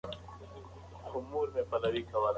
مفهومي برخه موږ ته شناخت راکوي.